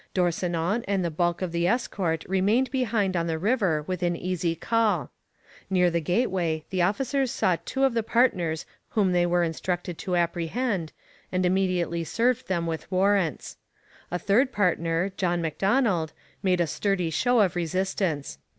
D'Orsonnens and the bulk of the escort remained behind on the river within easy call. Near the gateway the officers saw two of the partners whom they were instructed to apprehend, and immediately served them with warrants. A third partner, John M'Donald, made a sturdy show of resistance.